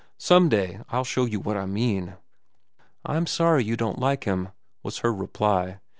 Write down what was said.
Some day I'll show you what I mean." "I'm sorry you don't like him," was her reply.